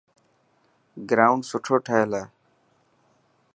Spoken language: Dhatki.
گرائونڊ سٺو ٺهيل هي.